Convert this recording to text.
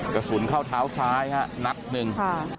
กระสุนเข้าเท้าซ้ายฮะนัดหนึ่ง